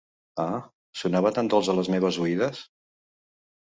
Ah, sonava tan dolç a les meves oïdes!